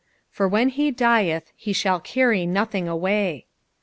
"*Vr vihen he dUlh he ihall carry nothing away."